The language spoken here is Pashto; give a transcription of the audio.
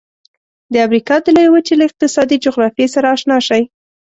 د امریکا د لویې وچې له اقتصادي جغرافیې سره آشنا شئ.